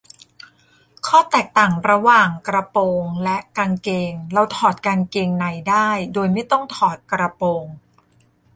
ข้อแตกต่างระหว่างกระโปรงและกางเกง : เราถอดกางเกงในได้โดยไม่ต้องถอดกระโปรง